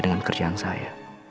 dengan kerjaan saya